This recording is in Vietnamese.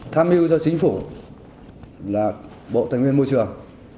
tham mưu cho chính phủ là bộ tài nguyên môi trường